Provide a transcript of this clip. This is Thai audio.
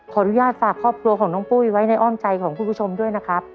ขออนุญาตฝากครอบครัวของน้องปุ้ยไว้ในอ้อมใจของคุณผู้ชมด้วยนะครับ